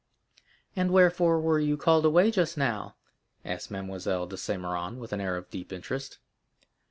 "And wherefore were you called away just now?" asked Mademoiselle de Saint Méran, with an air of deep interest.